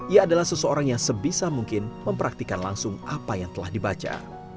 ia adalah seseorang yang sebisa mungkin mempraktikan langsung apa yang telah dibaca